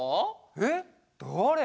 えっ？だれ？